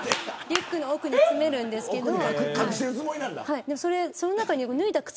リュックの奥に詰めるんですけれど。